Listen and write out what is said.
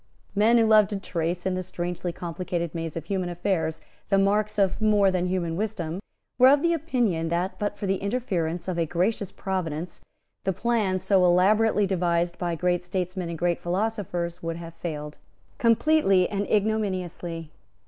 Men who loved to trace, in the strangely complicated maze of human affairs, the marks of more than human wisdom, were of opinion that, but for the interference of a gracious Providence, the plan so elaborately devised by great statesmen and great philosophers would have failed completely and ignominiously.